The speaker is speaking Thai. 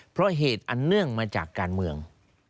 เพราะเหตุอันเนื่องมาจากการเมือง